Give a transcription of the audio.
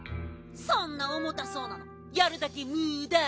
そんなおもたそうなのやるだけむだ。